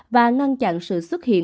và ngăn chặn sự xuất hiện